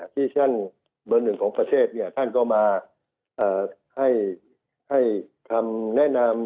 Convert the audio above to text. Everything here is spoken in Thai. ที่๑๑ของประเศษท่านก็มาให้ทำแนะนำ